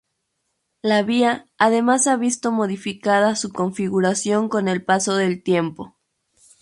La vía además ha visto modificada su configuración con el paso del tiempo.